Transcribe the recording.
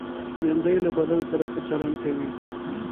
بېنډۍ له بدن سره ښه چلند کوي